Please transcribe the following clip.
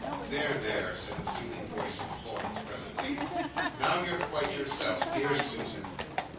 "There, there!" said the soothing voice of Florence presently. "Now you're quite yourself, dear Susan!"